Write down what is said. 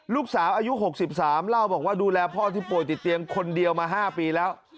ลูกสาวอายุ๖๓เล่าบอกว่าดูแลพ่อที่ป่วยติดเตียงคนเดียวมา๕ปีแล้ว